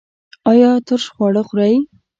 ایا ترش خواړه خورئ؟